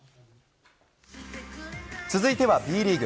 続いてはＢリーグ。